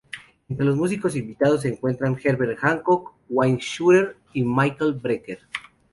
Entre los músicos invitados se encuentran Herbie Hancock, Wayne Shorter y Michael Brecker.